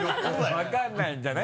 分からないんじゃない？